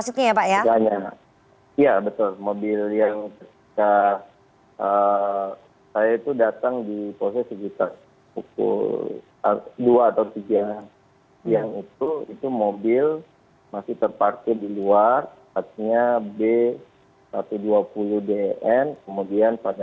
saya gak ingat saat yang terbang ini